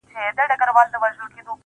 ځه پرېږده وخته نور به مي راويښ کړم .